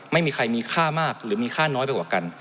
ไม่มีใครมีค่ามากหรือมีค่าน้อยไปกว่ากัน